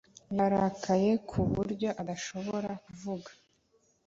yararakaye ku buryo atashoboraga kuvuga